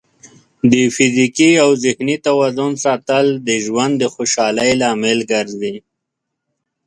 د فزیکي او ذهني توازن ساتل د ژوند د خوشحالۍ لامل ګرځي.